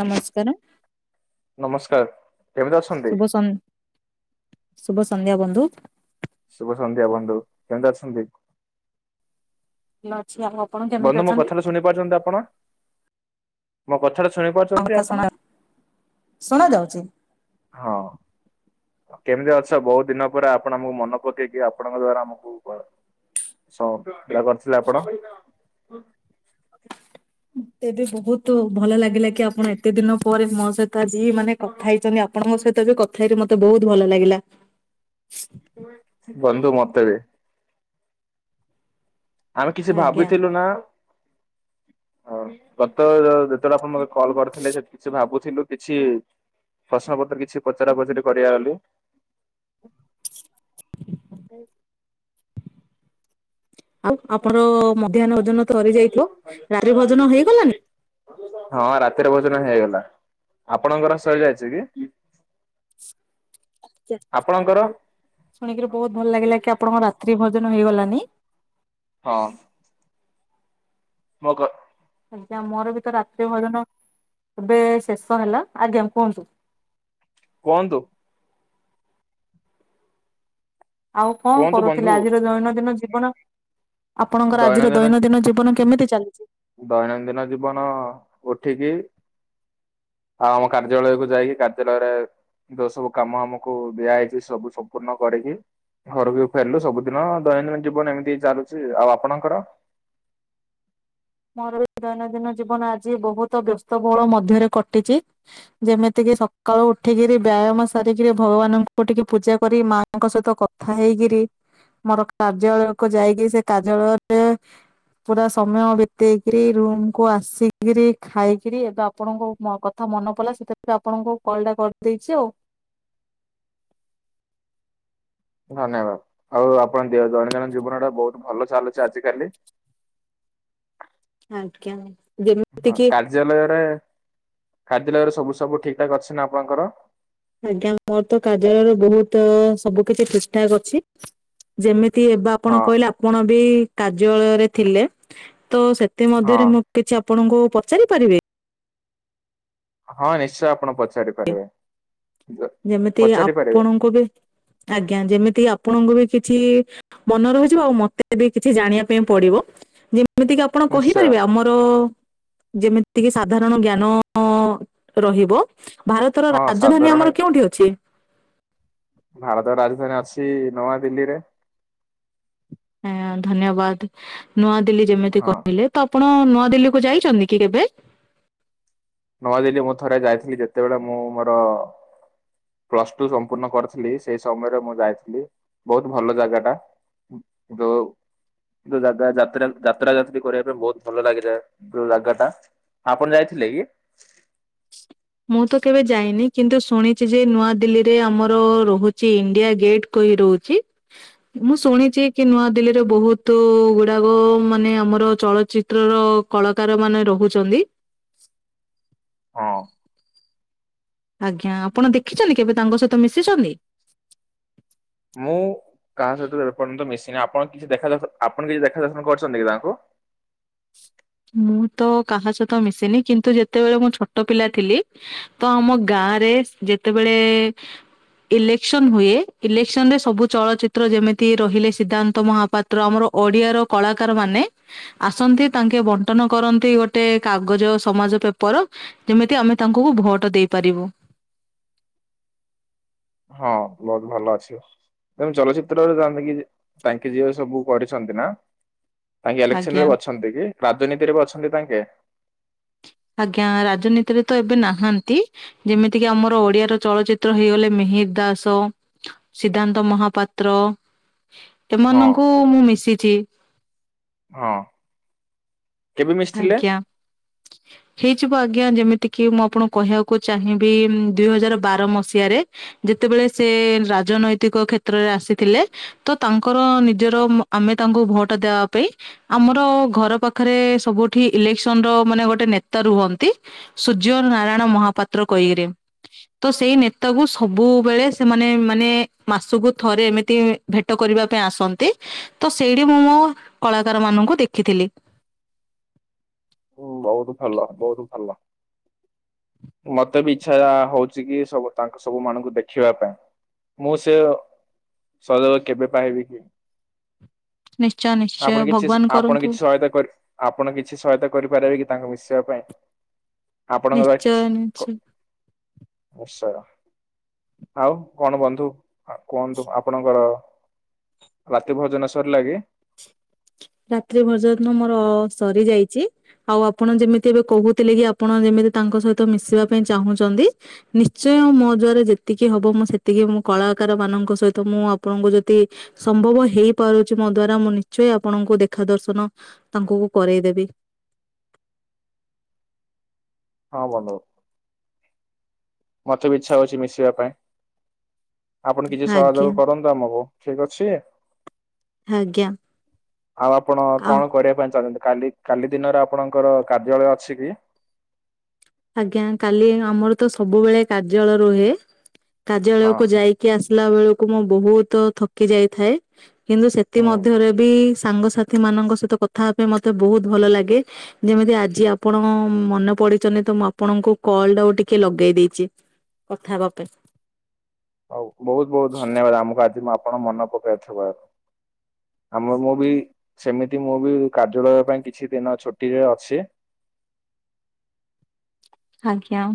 ନମସ୍କାର। ନମସ୍କାର୍ କେମିତି ଅଛନ୍ତି? ଶୁଭସନ୍ଧ୍ୟା ବନ୍ଧୁ। ଶୁଭସନ୍ଧ୍ୟା ବନ୍ଧୁ କେମିତି ଅଛନ୍ତି? ଭଲ ଅଛି ଆଉ। ଆପଣ କେମିତି ବନ୍ଧୁ ମୋ ଅଛନ୍ତି? କଥାଟା ଶୁଣି ପାରୁଛନ୍ତି ଆପଣ, ମୋ କଥାଟା ଶୁଣି ପାରୁ ମୋ କଥା ଶୁଣା-ଶୁଣା ଯାଉଛି? ହଁ। କେମିତି ଅଛ ବହୁତ ଦିନ ପରେ ଆପଣ ଆମକୁ ମନ ପକେଇକି ଆପଣଙ୍କ ଦ୍ଵାରା ଆମକୁ ସ [unintelligible] କରିଥିଲେ ଆପଣ। ମତେ ବି ବହୁତ ଭଲ ଲାଗିଲା କି ଆପଣ ଏତେ ଦିନ ପରେ ମୋ ସହିତ ଆଜିି ମାନେ କଥା ହେଇଚନ୍ତି ଆ ଆପଣ ମୋ ସହିତ ଏବେ କଥା ହେଇକି ମତେ ବହୁତ୍ ଭଲ ଲାଗିଲା। ବନ୍ଧୁ ମତେ ବି। ଆମେ କିଛି ଆଜ୍ଞା ଭାବିଥିଲୁ ନା [inaudible] ହଁ ଗତ ଯେତେବେଳେ ଆପଣ ମତେ କଲ କରିଥିଲେ ସେ କିଛି ଭାବୁଥିଲୁ କିଛି ପ୍ରଶ୍ନପତ୍ର କିଛି ପଚରା ପଚରି କରିବା ବୋଲି। ଆଉ ଆପଣର ମଧ୍ୟାହ୍ନ ଭୋଜନ ତ ସରିଯାଇଥିବ, ରାତ୍ରି ଭୋଜନ ହେଇଗଲଣିି? ହଁ ରାତିରେ ଭୋଜନ ହେଇଗଲା, ଆପଣଙ୍କର ସରିଯାଇଛି କି? [inaudible] ଆପଣଙ୍କର? ଶୁଣିକିରି ବହୁତ୍ ଭଲ ଲାଗିଲା କି ଆପଣଙ୍କର ରାତ୍ରି ଭୋଜନ ହେଇଗଲାନି। ହଁ। ମୋ କ ଆଜ୍ଞା ମୋର ବି ତ ରାତ୍ରି ଭଜନ ଏବେ ଶେଷ ହେଲା, ଆଜ୍ଞା କୁହନ୍ତୁ। କୁହନ୍ତୁ। ଆଉ କଣ କୁହନ୍ତୁ କରୁଥିଲ ବନ୍ଧୁ। ଆଜିର ଦୈନଦିନ ଜୀବନ ଆପଣଙ୍କର ଆଜିର ଦୈନନ୍ଦିନ ଦୈନଦିନ ଜୀବନ କେମିତି ଚାଲିଛି। ଦୈନନ୍ଦିନ ଜୀବନ ଉଠିକି ଆଉ ଆମ କାର୍ଯ୍ୟାଳୟକୁୁ ଯାଇକି କାର୍ଯ୍ୟାଳୟରେ ଯୋଉ ସବୁ କାମ ଆମକୁ ଦିଆହେଇଛି ସବୁ ସମ୍ପୂର୍ଣ୍ଣ କରିକି ଘରକୁ ବି ଫେରିଲୁ ସବୁଦିନ ଦୈନନ୍ଦିନ ଜୀବନ ଏମିତି ଚାଲୁଛି ଆଉ ଆପଣଙ୍କର [unintelligible] ଦୈନନ୍ଦିନ ଜୀବନ ଆଜି ବହୁତ ବ୍ୟସ୍ତବହୁଳ ମଧ୍ୟରେ କଟିଛି। ଯେମିତି କି ସକାଳୁ ଉଠିକିରି ବ୍ୟାୟାମ ସାରିକିରି ଭଗବାନଙ୍କୁ ଟିକେ ପୂଜା କରି ମା ଙ୍କ ସହିତ କଥା ହେଇକିରି ମୋର କାର୍ଯ୍ୟାଳୟକୁ ଯାଇକି ସେ କାର୍ଯ୍ୟାଳୟରେ ପୁରା ସମୟ ବି ତେଇକିରି ରୁମୁ କୁୁ ଆସିକିରି ଖାଇକିରି ଏବେ ଆପଣଙ୍କୁ ମୋ କଥା ମନେ ପଡିଲା ସେଥି ଆପଣଙ୍କୁ କଲ ଟା କରିଦେଇଛି ଆଉ। ଧନ୍ୟବାଦ ଆଉ ଆପଣ ଦେ ଦୈନନ୍ଦିନ ଜୀବନ ଟା ବହୁତ ଭଲ ଚାଲୁଛି ଆଜିିକାଲି। [inaudible] ଆଜ୍ଞା ଯେମିତି କିି [unintelligible] ରେ କାର୍ଯ୍ୟଳୟରେ ସବୁ ସବୁ ଠିକ ଠାକ ଅଛି ନା ଆପଣଙ୍କର। ଆଜ୍ଞା ମୋର ତ କାର୍ଯ୍ୟାଳୟରେ ବହୁତ ସବୁ କିଛି ଠିକଠାକ୍ ଅଛି। ଯେମିତି ଏବେ ହଁ ଆପଣ କହିଲେ ଆପଣ ବି କାର୍ଯ୍ୟାଳୟରେ ଥିଲେ ତ ସେ ତା ହଁ ମଧ୍ୟରେ ମୁଁ କିଛି ଆପଣଙ୍କୁ ପଚାରି ପାରିବି। ହଁ ନିଶ୍ଚୟ ଆପଣ ପଚାରିବେ [unintelligible] ଯେମିତି ପଚାରି ପାରିବେ ଆପଣଙ୍କୁ ବି ଆଜ୍ଞା ଯେମିତି ଆପଣଙ୍କୁ ବି କିଛି ମନେ ରହିଯିବ ଆଉ ମତେ [unintelligible] ବି କିଛି ଜାଣିବା ପାଇଁ ପଡିବ ଯେମିତି କିି ଆପଣ ନିଶ୍ଚୟ କହିପାରିବେ ଆମ ହଁ ଯେମିତିକି ସାଧାରଣ ଜ୍ଞାନ ରହିବ। ଭାରତର ହଁ ରାଜଧାନୀ ସାଧାରଣ ଆମର କେଉଁଠି ଅଛି। ଭାରତ ର ରାଜଧାନୀ ଅଛି ନୂଆ ଦିଲ୍ଲୀରେ। ହଁ ଧନ୍ୟବାଦ ନୂଆଦିଲ୍ଲୀ ଯେମିତି ହଁ। କହିଲେ ତ ଆପଣ ନୂଆଦିଲ୍ଲୀ କୁ ଯାଇଛନ୍ତି କି କେବେ? ନୂଆଦିଲ୍ଲୀ ମୁଁ ଥରେ ଯାଇଥିଲି ଯେତେବେଳେ ମୁଁ ମୋର ପ୍ଲସ ଟୁ ସମ୍ପୂର୍ଣ୍ଣ କରିଥିଲି ସେଇ ସମୟରେ ମୁଁ ଯାଇଥିଲି ବହୁତ ଭଲ ଜାଗା ଟା। [unintelligible] ଯୋଉ ଜାଗା ଯାତ୍ରା ଯାତ୍ରା ଯାତ୍ରୀ କରିବା ପାଇଁ ବହୁତ ଭଲ ଲାଗିଥାଏ ଜାଗା ଟା। ଆପଣ ଯାଇଥିଲେ କି? ମୁଁ ତ କେବେ ଯାଇନି କିନ୍ତୁ ଶୁଣିଛି ଯେ ନୂଆଦିଲ୍ଲୀରେ ଆମର ରହୁଛି ଇଣ୍ଡିଆ ଗେଟ୍। କି ରହୁଛି। ମୁଁ ଶୁଣିଛି କି ନୂଆଦିଲ୍ଲୀରେ ବହୁତ ଗୁଡାକ ମାନେ ଆମର ଚଳଚି ତ୍ର ର କଳାକାର ମାନେ ରହୁଛନ୍ତି। ହଁ ଆଜ୍ଞା ଆପଣ ଦେଖିଛନ୍ତି କେବେ ତାଙ୍କ ସହିତ ମିଶିଛନ୍ତି? ମୁଁ କାହା ସହିତ ଏପର୍ଯ୍ୟନ୍ତ ମିଶିନି ଆପଣ କିଛି ଦେଖା ଆପଣ କିଛି ଦେଖାଦର୍ଶନ କରିଛନ୍ତି କି ତାଙ୍କୁ? ମୁଁ ତ କାହା ସହିତ ମିଶିନି କିନ୍ତୁ ଯେତେବେଳେ ମୁଁ ଛୋଟ ପିଲା ଥିଲି ତ ଆମ ଗାଁରେ ଯେତେବେଳେ ଇଲେକ୍ସନ ହୁଏ ଇଲେକ୍ସନ ରେ ସବୁ ଚଳଚିତ୍ର ଯେମିତି ରହିଲେ ସିଦ୍ଧାନ୍ତ ମହାପାତ୍ ତ୍ର ଆମର ଓଡିଆର କଳାକାର ମାନେ ଆସନ୍ତି ତାଙ୍କ ବଣ୍ଟନ କରନ୍ତି ଗୋଟେ କାଗଜ ସମାଜ ପେପର ଯେମିତି ଆମେ ତାଙ୍କୁ ଭୋଟ ଦେଇପାରିବୁ। ହଁ ବହୁତ [unintelligible] ଭଲ ଅଛି। ତମ ଚଳଚିତ୍ରରେ ଯାଆନ୍ତି କି ତାଙ୍କେ ଯିଏ ସବୁ କରିଛନ୍ତି ନା ତାଙ୍କେ ଇଲେକ୍ସନ ଆଜ୍ଞା ରେ ବି ଅଛନ୍ତି କି ରାଜନୀତିରେ ବି ଅଛନ୍ତି ତାଙ୍କେ। ଆଜ୍ଞା ରାଜନୀତିରେ ତ ଏବେ ନାହାନ୍ତି। ଯେମିତିକି ଆମର ଓଡିଆର ଚଳଚିତ୍ର ହେଇଗଲେ ମିହିରି ଦାସ। ସିଦ୍ଧାନ୍ତ ମହାପାତ୍ର ହଁ ଏମାନଙ୍କୁ ମୁଁ ମିଶିଛି। ହଁ। କେବେ ମିଶିଥିଲେ? ଆଜ୍ଞା। ହେଇଯିବ ଆଜ୍ଞା ଯେମିତିକିି ମୁଁ ଆପଣଙ୍କୁ କହିବାକୁ ଚାହିଁବି ଦୁଇ ହଜାର ବାର ମସିହାରେ ଯେତେବେଳେ ସେ ରାଜନୈତିକ କ୍ଷେତ୍ରରେ ଆସିଥିଲେ। ତ ତାଙ୍କର ନିଜର ଆମେ ତାଙ୍କୁ ଭୋଟ ଦେବା ପାଇଁ ଆମର ଘର ପାଖରେ ସବୁଠି ଇଲେକ୍ସନ ର ମାନେ ଗୋଟେ ନେତା ରୁହନ୍ତି। ସୂର୍ଯ୍ୟ ନାରାୟଣ ମହାପାତ୍ର କ ଇଏରେ। ତ ସେଇ ନେତାକୁ ସବୁବେଳେ ସେମାନେ ମାନେ ମାସକୁ ଥରେ ଏମିତି ଭେଟ କରିବା ପାଇଁ ଆସନ୍ତି। ତ ସେଇଠି ମୁଁ ମୋ କଳାକାର ମାନଙ୍କୁ ଦେଖିଥିଲି। [inaudible] ଉଁ, ବହୁତ ଭଲ। ବହୁତ ଭଲ। ମତେ ବି ଇଚ୍ଛା ହଉଛି କି ସବୁ ତାଙ୍କ ସବୁ ମାନଙ୍କୁ ଦେଖିବା ପାଇଁ। ମୁଁ ସେ ସଜଗ କେବେ ପାଇବି କି? ନିଶ୍ଚୟ ନିଶ୍ଚୟ ଭଗବାନ କରନ୍ତୁ। ସୟତା କର ଆପଣ କିଛି ସହାୟତା କରିପାରିବେ କି ତାଙ୍କୁ ମିଶେଇବା ପାଇଁ? ଆପଣଙ୍କ ଦ୍ୱାରା ନିଶ୍ଚୟ କିଛି ନିଶ୍ଚୟ [unintelligible] ଆଉ କଣ ବନ୍ଧୁ କୁହନ୍ତୁ ଆପଣଙ୍କର ରାତି ଭୋଜନ ସରିଲା କି? ରାତ୍ରି ଭୋଜନ ମୋର ସରି ଯାଇଛି। ଆଉ ଆପଣ ଯେମିତି ଏବେ କହୁଥିଲେ କି ଆପଣ ଯେମିତି ତାଙ୍କ ସହିତ ମିଶିବା ପାଇଁ ଚାହୁଁଛନ୍ତି। ନିଶ୍ଚୟ ମୋ ଦ୍ୱାରା ଯେତିକି ହବ ମୁଁ ସେତିକି। ମୁଁ କଳାକାର ମାନଙ୍କ ସହିତ ମୁଁ ଆପଣଙ୍କୁ ଯଦି ସମ୍ଭବ ହେଇପାରୁଛି ମୋ ଦ୍ଵାରା ମୁଁ ନିଶ୍ଚୟ ଆପଣଙ୍କୁ ଦେଖା ଦର୍ଶନ ତାଙ୍କୁ କରେଇଦେବି। ହଁ ବନ୍ଧୁ। ମତେ ବି ଇଚ୍ଛା ହଉଛି ମିଶିବା ପାଇଁ। ଆପଣ କିଛି ଆଜ୍ଞା ସହଯୋଗ କର ନ୍ତୁ ଆମକୁ ଠିକ ଅଛି। ଆଜ୍ଞା ଆଉ ଆପଣ ଆଉ କଣ କରିବା ପାଇଁ ଚାହୁଁଛନ୍ତି? କାଲି କାଲି ଦିନରେ ଆପଣଙ୍କର କାର୍ଯ୍ୟାଳୟ ଅଛି କି? ଆଜ୍ଞା କାଲି ଆମର ତ ସବୁବେଳେ କାର୍ଯ୍ୟାଳୟ ରୁହେ। ହଁ କାର୍ଯ୍ୟାଳୟକୁୁ ଯାଇ କି ଆସିଲା ବେଳକୁ ମୁଁ ବହୁତ ଥକି ଯାଇଥାଏ। କିନ୍ତୁ ସେଥି ହୁଁ। ମଧ୍ୟରେ ବି ସାଙ୍ଗସା ଥୀ ମାନଙ୍କ ସହିତ କଥା ହେବା ପାଇଁ ମତେ ବହୁତ ଭଲ ଲାଗେ। ଯେମିତି ଆଜି ଆପଣ ମନେ ପଡିଛନ୍ତି। ତ ମୁଁ ଆପଣଙ୍କୁ କଲଟାକୁ ଟିକେ ଲଗେଇ ଦେଇଛି। କଥାହେବା ପାଇଁ। ହଉ ବହୁତ ବହୁତ ଧନ୍ୟବାଦ ଆମକୁ ଆଜି ମୁଁ ଆପଣ ମନ ପକେଇଥିବାରୁ। ଆମ ମୁଁ ବି ସେମିତି ମୁଁ ବି କାର୍ଯ୍ୟାଳୟ ପାଇଁ କିଛି ଦିନ ଛୁଟିରେ ଅଛି। ଆଜ୍ଞା।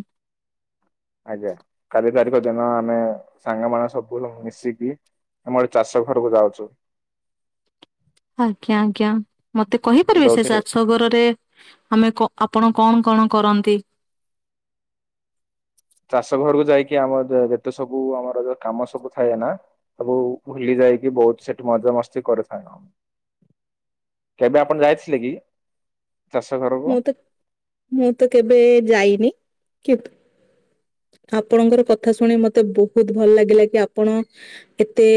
ଆଜ୍ଞା। କାଲି ତାରିଖ ଦିନ ଆମେ ସାଙ୍ଗମାନଙ୍କ ବୁ ମିଶିକି ଆମର ଚାଷ ଘରକୁ ଯାଉଛୁ। ଆଜ୍ଞା ଆଜ୍ଞା ମତେ କହିପାରିବେ ସେ ଚା ଯୋଉଥିରେ ଷ ଘରରେ ଆମେ କ ଆପଣ କଣ କଣ କରନ୍ତି? ଚାଷ ଘରକୁ ଯାଇକି ଆମର ଯେତେ ସବୁ ଆମର କାମ ସବୁ ଥାଏ ନା ସବୁ ଭୁଲି ଯାଇକି ବହୁତ ସେଠି ମଜା ମସ୍ତି କରୁ ସାଙ୍ଗ କେବେ ଆପଣ ଯାଇଥିଲେ କି? ଚାଷ ଘରକୁ ମୁଁ ତ ମୁଁ ତ କେବେ ଯାଇନି କି ଆପଣଙ୍କର କଥା ଶୁଣି ମତେ ବହୁତ ଭଲ ଲାଗିଲା କି ଆପଣ ଏତେ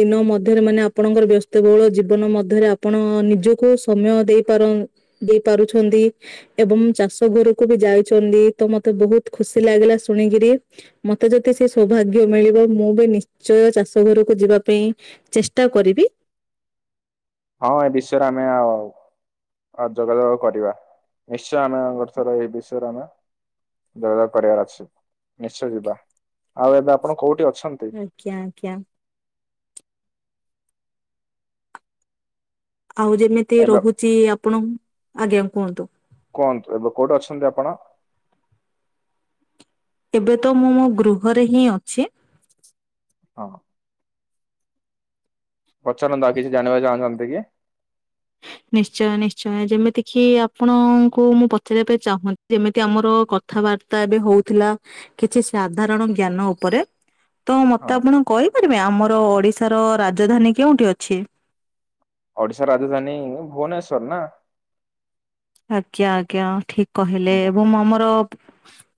ଦିନ ମଧ୍ୟରେ ମାନେ ଆପଣଙ୍କର ବ୍ୟସ୍ତବହୁଳ ଜୀବନ ମଧ୍ୟରେ ଆପଣ ନିଜକୁ ସମୟ ଦେଇପାର ଦେଇପାରୁଛନ୍ତି। ଏବଂ ଚାଷ ଘରକୁ ବି ଯାଇଛନ୍ତି। ତ ମତେ ବହୁତ ଖୁସି ଲାଗିଲା ଶୁଣିକିରି ମତେ ଯଦି ସେ ସୌଭାଗ୍ୟ ମିଳିବ ମୁଁ ବି ନିଶ୍ଚୟ ଚାଷ ଘରୁ କୁ ଯିବା ପାଇଁ ଚେଷ୍ଟା କରିବି। ହଁ ଏ ବିଷୟରେ ଆମେ ଆଉ ଆଉ ଯୋଗାଯୋଗ କରିବା ନିଶ୍ଚୟ ଆମେ ଏ ବର୍ଷରେ ଏଇ ବିଷୟରେ ଆମେ ଯୋଗ କରିବାର ଅଛି ନିଶ୍ଚୟ ଯିବା ଆଉ ଏବେ ଆପଣ କୋଉଠି ଅଛନ୍ତି ଆଜ୍ଞା ଆଜ୍ଞା ଆଉ ଯେମିତି ଏବେ ରହୁଛି ଆପଣ ଆଜ୍ଞା କୁହନ୍ତୁ କୁହନ୍ତୁ ଏବେ କୋଉଠି ଅଛନ୍ତି ଆପଣ ଏବେ ତ ମୁଁ ଗୃହରେ ହିଁ ଅଛି ହଁ ପଚାରନ୍ତୁ ଆଉ କିଛି ଜାଣିବାକୁ ଚାହୁଁଛନ୍ତି କି ନିଶ୍ଚୟ ନିଶ୍ଚୟ ଯେମିତି କିି ଆପଣଙ୍କୁ ମୁଁ ପଚାରିବା ପାଇଁ ଚାହୁଁ ଯେମିତି ଆମର କଥାବାର୍ତ୍ତା ଏବେ ହଉଥିଲା କିଛି ସାଧାରଣ ଜ୍ଞାନ ଉପରେ ତ ହଁ ମତେ ଆପଣ କହିପାରିବେ ଆମର ଓଡ଼ିଶାର ରାଜଧାନୀ କେଉଁଠି ଅଛି ଓଡିଶା ରାଜଧାନୀ ଭୁବନେଶ୍ଵର ନା ଆଜ୍ଞା ଆଜ୍ଞା ଠିକ କହିଲେ ହଁ। ଏବଂ ଆମର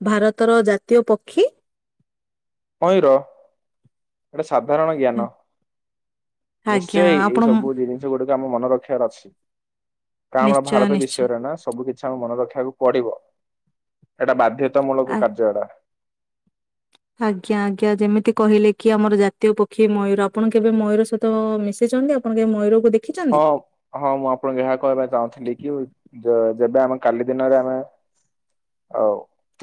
ଭାରତର ଜାତୀୟ ପକ୍ଷୀ ମୟୂର ଗୋଟେ ସାଧାରଣ ଜ୍ଞାନ ଆଜ୍ଞା ନିଶ୍ଚୟ ଏଇ ଆପଣ ମ- ସବୁ ଜିନିଷ ଏଗୁଡିକ ଆମ ମନ ରଖିବାର ଅଛି କାଣା ଆମର ନିଶ୍ଚୟ ଭାରତ ନିଶ୍ଚୟ ବିଷୟରେ ନା ସବୁ କିଛି। ଇଚ୍ଛାଆଉମନେ ରଖିବାକୁ ପଡିବ ଏଇଟା ବାଧ୍ୟତାମୂଳକ ଆ- କାର୍ଯ୍ୟ ଏଟା। ଆଜ୍ଞା ଆଜ୍ଞା ଯେମିତି କହିଲେ କି ଆମର ଜାତୀୟ ପକ୍ଷୀ ମୟୂର ଆପଣ କେବେ ମୟୂର ସହିତ ମିଶିଛନ୍ତି ଆଉ ଆପଣ କେବେ ମୟୂର କୁ ଦେଖ ହଁ ହଁ ମୁଁ ଆପଣଙ୍କୁ ଏହା କହିବା ପାଇଁ ଚାହୁଁଥିଲି କି ଯେବେ ଆମେ କାଲି ଦିନରେ ଆମେ ଆଉ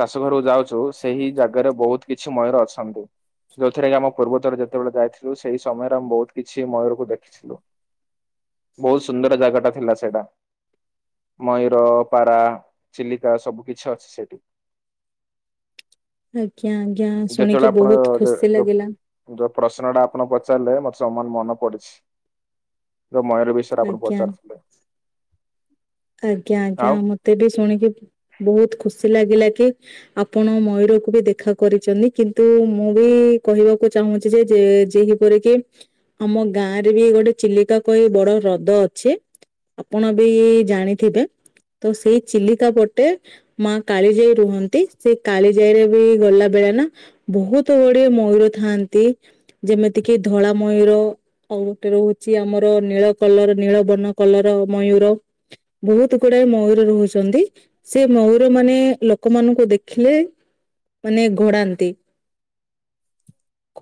ଚାଷ ଘରକୁ ଯାଉଛୁ ସେଇ ଜାଗାରେ ବହୁତ କିଛି ମୟୂର ଅଛନ୍ତି ଯୋଉଥିରେ କି ଆମ ପୂର୍ବତର ଯେତେବେଳେ ଯାଇଥିଲୁ ସେଇ ସମୟରେ ଆମେ ବହୁତ କିଛି ମୟୂରକୁ ଦେଖିଥିଲୁ। ବହୁତ ସୁନ୍ଦର ଜାଗାଟା ଥିଲା ସେଇଟା। ମୟୂର ପାରା ଚିଲିକା ସବୁ କିିଛି ଅଛି ସେଠି, ଆଜ୍ଞା ଆଜ୍ଞା ଯେତେବେଳେ ଶୁଣିକି ଆପଣ ବହୁତ ଖୁସି ଯୋଉ ଲାଗିଲା। ଯୋଉ ପ୍ରଶ୍ନ ଟା ଆପଣ ପଚାରିଲେ ମତେ ସମାନ ମନ ପଡିଛି। ଯୋଗମୟୂର ବିଷୟରେ ଆପଣ ଆଜ୍ଞା ପଚାରୁଥିଲେ। ଆଜ୍ଞା ଆଜ୍ଞା ଆଉ ମତେ ବି ଶୁଣିକି ବହୁତ ଖୁସି ଲାଗିଲା କି ଆପଣ ମୟୂରକୁ ବି ଦେଖା କରିଛନ୍ତି କିନ୍ତୁ ମୁଁ ବି କହିବାକୁ ଚାହୁଁଛି ଯେ ଯେହି କରିକି ଆମ ଗାଁ ରେ ବି ଗୋଟେ ଚିଲିକା କ ବଡ ହ୍ରଦ ଅଛି ଆପଣ ବି ଜାଣିଥିବେ ତ ସେଇ ଚିଲିକା ପଟେ ମା କାଳିଜାଇ ରୁହନ୍ତି ସେ କାଳିଜାଇରେ ବି ଗଲା ବେଳେ ନା ବହୁତ ଗୁଡିଏ ମୟୂର ଥାଆନ୍ତି ଯେମିତି କିି ଧଳା ମୟୂର ଆଉ ଗୋଟେ ରହୁଛି ଆମର ନୀଳ କଲର ନୀଳ ବନ କଲର ମୟୂର ବହୁତ ଗୁଡାଏ ମୟୂର ରହୁଛନ୍ତି ସେ ମୟୂର ମାନେ ଲ ଲୋକମାନଙ୍କୁ ଦେଖିଲେ ମାନେ ଘୋଡ଼ାନ୍ତି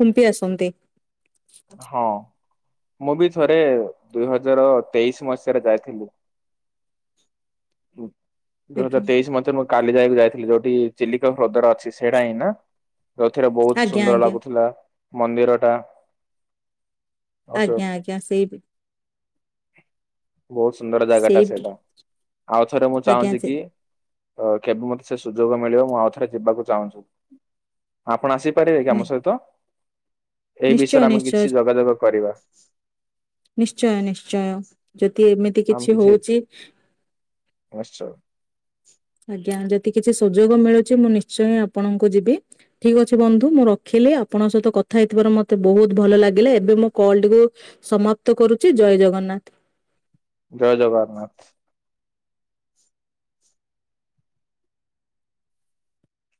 ଖୁମ୍ପି ଆସନ୍ତି। ହଁ। ମୁଁ ବି ଥରେ ଦୁଇ ହଜାର ତେଇଶି ମସିହାରେ ଯାଇଥିଲି। ହୁଁ। ଦୁଇ ହଜାର ତେଇଶ ମଧ୍ୟରେ ମୁଁ କାଲି ଯାକୁ ଯାଇଥିଲି ଯୋଉଠି ଚିଲିକା ହ୍ରଦର ଅଛି ସେଇଟା ହିଁ ନା? ଯେଉଥିରେ ବହୁତ ଆଜ୍ଞା ସୁନ୍ଦର ଆଜ୍ଞା ଲାଗୁଥିଲା ମନ୍ଦିର ଟା। ଅସ ଆଜ୍ଞା ଆଜ୍ଞା ସେଇ ବି ବହୁତ ସୁନ୍ଦର ଜାଗା ଟା ସେଇ ସେଇଟା ଆଉଥରେ ମୁଁ ଆଜ୍ଞା ଚାହୁଁଛି ସେ କି କେବେ ମତେ ସେ ସୁଯୋଗ ମିଳିବ ମୁଁ ଆଉ ଥରେ ଯିବାକୁ ଚାହୁଁଛି। ଆପଣ ଆସିପାରିବେ କି ଆମ ନି- ସହିତ? ଏଇ ନିଶ୍ଚୟ ବିଷୟରେ ଆମେ କିଛି ନିଶ୍ଚୟ। ଯୋଗାଯୋଗ କରିବା। ନିଶ୍ଚୟ ନିଶ୍ଚୟ ଯଦି ଏମି ଆମ କିଛି ଆଶ୍ଚ ଆଜ୍ଞା ଯଦି କିଛି ସୁଯୋଗ ମିଳୁଛି ମୁଁ ନିଶ୍ଚୟିଁ ଆପଣଙ୍କୁ ଯିବି। ଠିକ ଅଛି ବନ୍ଧୁ ମୁଁ ରଖିଲି ଆପଣଙ୍କ ସହିତ କଥା ହେଇଥିବାର ମତେ ବହୁତ ଭଲ ଲାଗିଲା ଏବେ ମୁ କଲ ଟିକୁ। ସମାପ୍ତ କରୁଛି ଜୟ ଜଗନ୍ନାଥ। ଜୟ ଜଗନ୍ନାଥ।